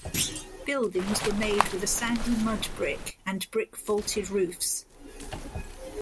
Buildings were made with a sandy mud brick and brick vaulted roofs.